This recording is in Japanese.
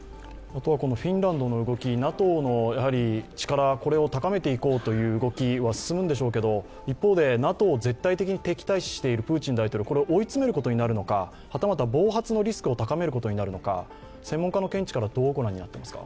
フィンランドの動き、ＮＡＴＯの力を高めていこうという動きは進むんでしょうけれども、一方でＮＡＴＯを絶対的に敵対視しているプーチン大統領を追い詰めることになるのか、はたまた暴発のリスクを高めることになるのか専門家の見地からどうご覧になっていますか。